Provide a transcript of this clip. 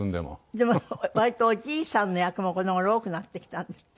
でも割とおじいさんの役もこの頃多くなってきたんですって？